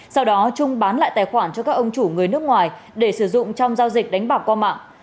sau đó trung bán lại tài khoản cho các ông chủ người nước ngoài để sử dụng trong giao dịch đánh bạc qua mạng